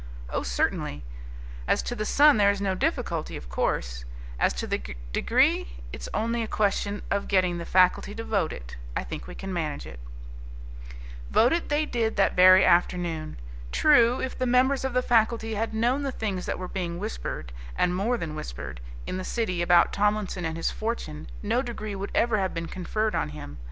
"Oh, certainly. As to the son, there is no difficulty, of course; as to the degree, it's only a question of getting the faculty to vote it. I think we can manage it." Vote it they did that very afternoon. True, if the members of the faculty had known the things that were being whispered, and more than whispered, in the City about Tomlinson and his fortune, no degree would ever have been conferred on him.